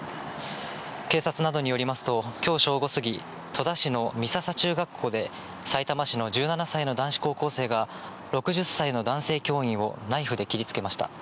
警察などによりますと、きょう正午過ぎ、戸田市の美笹中学校で、さいたま市の１７歳の男子高校生が、６０歳の男性教員をナイフで切りつけました。